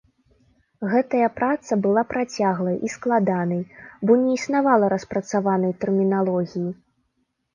Гэтая праца была працяглай і складанай, бо не існавала распрацаванай тэрміналогіі.